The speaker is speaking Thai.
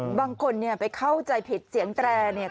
ไม่บางคนไปเข้าใจผิดเสียงแตรเนี่ย